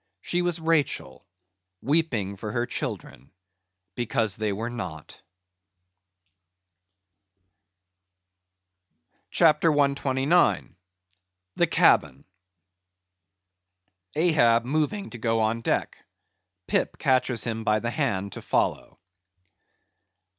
She was Rachel, weeping for her children, because they were not. CHAPTER 129. The Cabin. (_Ahab moving to go on deck; Pip catches him by the hand to follow.